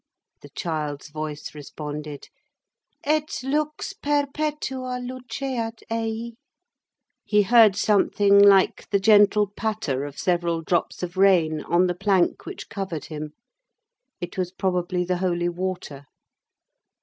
_ The child's voice responded:— _"Et lux perpetua luceat ei." _ He heard something like the gentle patter of several drops of rain on the plank which covered him. It was probably the holy water.